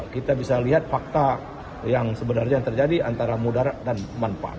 kita bisa lihat fakta yang sebenarnya terjadi antara mudarat dan manfaat